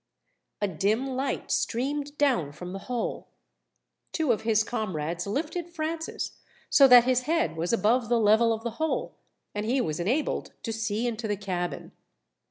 A dim light streamed down from the hole. Two of his comrades lifted Francis so that his head was above the level of the hole, and he was enabled to see into the cabin.